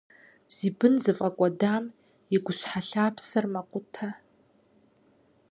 Зи бын зыфӀэкӀуэдам и гущхьэлъапсэр мэкъутэ.